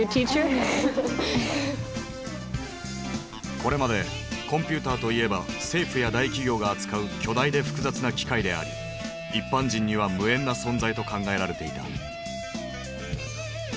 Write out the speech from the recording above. これまでコンピューターといえば政府や大企業が扱う巨大で複雑な機械であり一般人には無縁な存在と考えられていた。